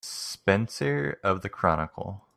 Spencer of the Chronicle.